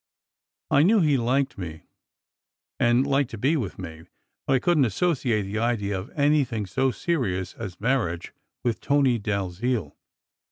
I knew he liked me, and liked to be with me, but I couldn t associate the idea of anything so serious as marriage with Tony Dalziel.